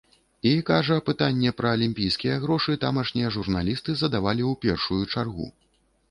І, кажа, пытанне пра алімпійскія грошы тамашнія журналісты задавалі ў першую чаргу.